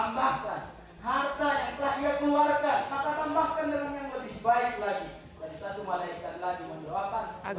maka tambahkan dengan yang lebih baik lagi